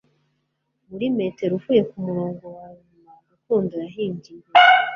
Muri metero uvuye kumurongo wa nyuma Rukundo yahimbye imbere